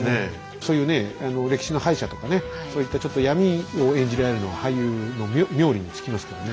そういうね歴史の敗者とかねそういったちょっと闇を演じられるのは俳優の冥利に尽きますからね。